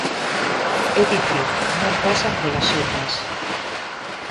É dicir, non pasan polas urnas.